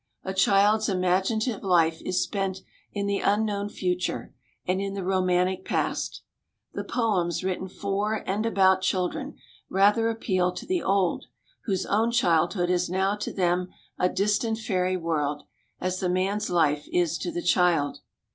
A child's imaginative life is spent in the unknown future, and in the romantic past. ... The poems written for and about children rather appeal to the old, whose own childhood is now to them a distant fairy world, as the man's life is to the child.